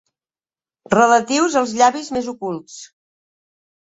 Relatius als llavis més ocults.